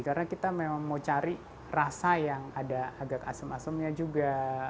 karena kita memang mau cari rasa yang ada agak asem asemnya juga